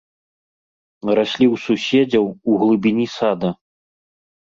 Раслі ў суседзяў у глыбіні сада.